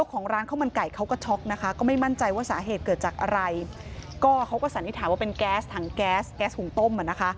ก็เขาก็สันนิษฐาว่าเป็นแก๊สถังแก๊สแก๊สหุ่งต้ม